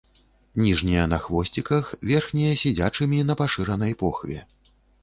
Ніжнія на хвосціках, верхнія сядзячымі на пашыранай похве.